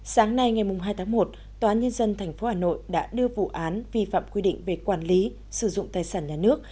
sáng nay ngày hai tháng một tòa nhân dân tp hà nội đã đưa vụ án vi phạm quy định về quản lý sử dụng tài sản nhà nước